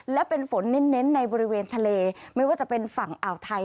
และเป็นฝนเน้นในบริเวณทะเลไม่ว่าจะเป็นฝั่งอ่าวไทย